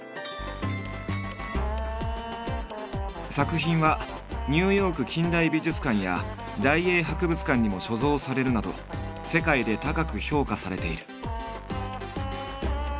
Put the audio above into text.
作品はニューヨーク近代美術館や大英博物館にも所蔵されるなど世界で高く評価されている。